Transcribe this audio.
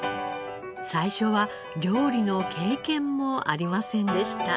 最初は料理の経験もありませんでした。